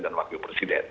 dan wakil presiden